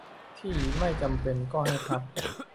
ที่ไม่จำเป็นก็ให้พับ